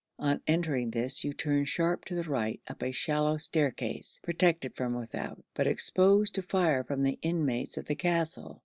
On entering this you turn sharp to the right up a shallow staircase, protected from without, but exposed to fire from the inmates of the castle.